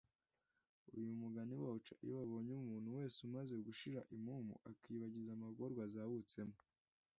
uyu mugani bawuca iyo babonye umuntu wese umara gushira impumu akiyibagiza amagorwa azahutsemo